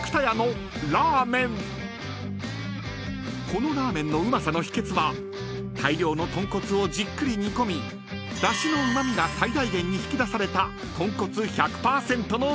［このラーメンのうまさの秘訣は大量の豚骨をじっくり煮込みだしのうま味が最大限に引き出された］